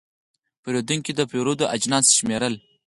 پیرودونکی د پیرود اجناس شمېرل.